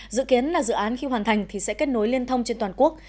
dự kiến là dự án khi hoàn thành thì sẽ kết nối liên thông trên toàn quốc